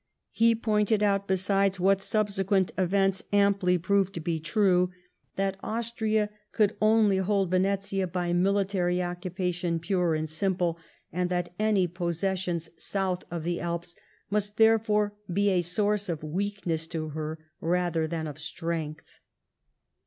He pointed out besides, what subsequent events amply proved to be true, that Austria could only hold Venetia by military occupation pure and simple, and that any possessions south of the Alps must, therefore, be a source of weakness to her rather than of strength.